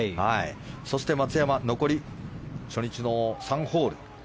松山残り、初日の３ホール。